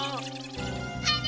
あれ！